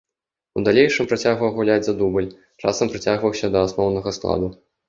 У далейшым працягваў гуляць за дубль, часам прыцягваўся да асноўнага складу.